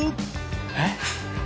えっ？